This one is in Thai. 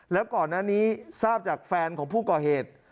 แล้วก่อนหน้านี้ทราบจากแฟนของผู้ก่อเหตุ